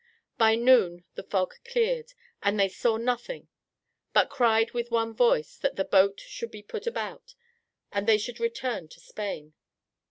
By noon the fog cleared, and they saw nothing, but cried with one voice that the boat should be put about, and they should return to Spain.